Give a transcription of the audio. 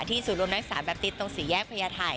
ที่สู่รมนักศึกษาแบบติดตรงศรีแยกพยาไทย